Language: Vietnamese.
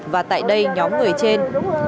và tại đây nhóm người trên